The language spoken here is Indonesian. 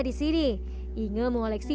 di sini inge mengoleksi